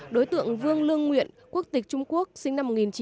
đối tượng vương lương nguyện quốc tịch trung quốc sinh năm một nghìn chín trăm tám mươi